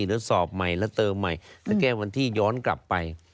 แล้วสอบใหม่และเติมใหม่แก้วันที่ย้อนกลับไป